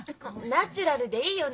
ナチュラルでいいよ。